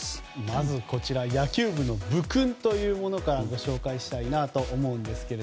まず野球部の部訓というものからご紹介したいと思います。